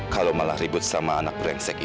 kalau malah ribut sama anak berengsek ini